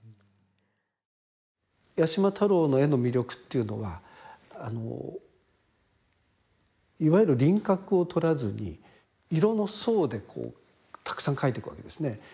八島太郎の絵の魅力っていうのはあのいわゆる輪郭をとらずに色の層でこうたくさん描いていくわけですね。